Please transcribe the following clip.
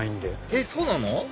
えっそうなの？